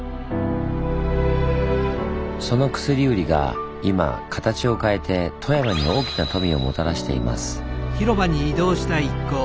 その薬売りが今形を変えて富山に大きな富をもたらしています。